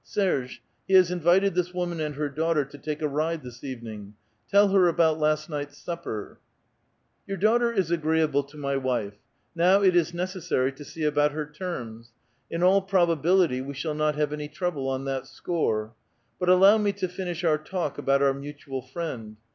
"Serge, he has invited this woman and her daughter to take a ride this evening. Tell her about last night's supper." " Your daughter is agreeable to my wife ; now it is neces sary to see about her terms ; in all probability we shall not have any trouble on that score. But allow me to finish our talk about our mutual friend.